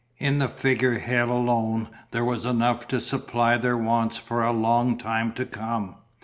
In the figure head alone there was enough to supply their wants for a long time to come.